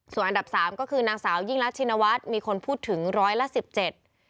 ส่วนอันดับสามก็คือนางสาวยิ่งรักชินวัฒน์มีคนพูดถึงร้อยละสิบเจ็ด